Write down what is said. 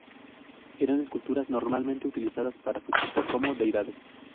Eran esculturas, normalmente utilizadas para su culto como deidades.